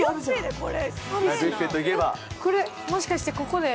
これもしかしてここで。